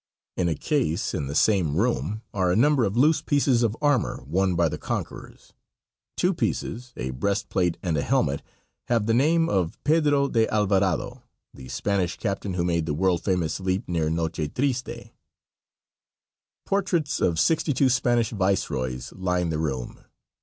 In a case in the same room are a number of loose pieces of armor worn by the conquerors. Two pieces, a breast plate and helmet, have the name of "Pedro de Alvarado," the Spanish captain who made the world famous leap near Noche Triste. Portraits of sixty two Spanish Viceroys line the room.